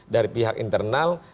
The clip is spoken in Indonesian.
dari pihak internal